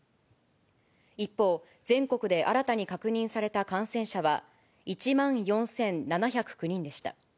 一方、全国で新たに確認された感染者は、１万４７０９人でした。